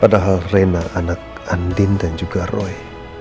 padahal reina anak andin dan juga roy